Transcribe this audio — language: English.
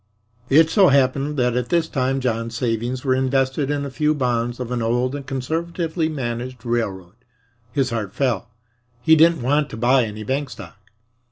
It so happened that at this time John's savings were invested in a few bonds of an old and conservatively managed railroad. His heart fell. He didn't want to buy any bank stock.